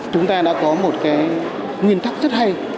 chúng ta đã có một cái nguyên tắc rất hay